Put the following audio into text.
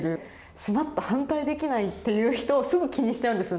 「しまった反対できない」っていう人をすぐ気にしちゃうんです。